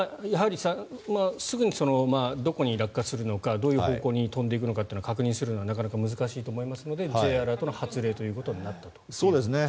すぐにどこに落下するのかどういう方向に飛んでいくのか確認するのはなかなか難しいと思いますのでＪアラートの発令ということになったということですね。